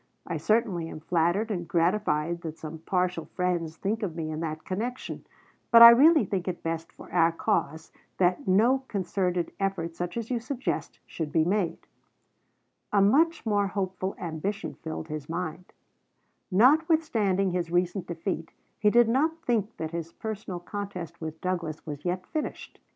I certainly am flattered and gratified that some partial friends think of me in that connection; but I really think it best for our cause that no concerted effort, such as you suggest, should be made." [Illustration: GENERAL JOHN C. BRECKINRIDGE.] Lincoln to Judd, Dec. 9, 1859. MS. A much more hopeful ambition filled his mind. Notwithstanding his recent defeat, he did not think that his personal contest with Douglas was yet finished.